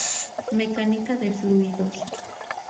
Mecánica de Fluidos.